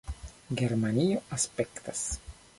Germanio aspektas